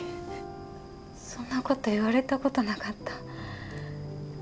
そんなこと言われたことなかった。